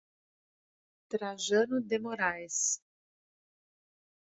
Trajano de Moraes